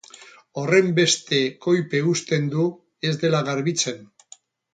Horrenbeste koipe uzten du, ez dela garbitzen.